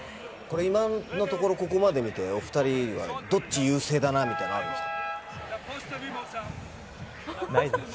今のところ、ここまで見て、お２人、どっち優勢だなみたいなのあるんですか？